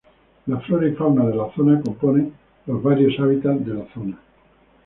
La flora y fauna de la zona compone los varios hábitats de la zona.